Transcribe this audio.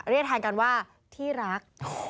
เรียกแทนกันว่าที่รัก